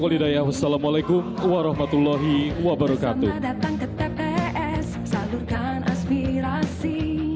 wa li daya wassalamualaikum warahmatullahi wabarakatuh datang ke tps salurkan aspirasi